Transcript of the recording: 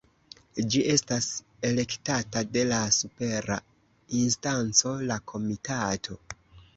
Ĝi estas elektata de la supera instanco, la Komitato.